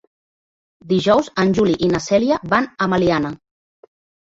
Dijous en Juli i na Cèlia van a Meliana.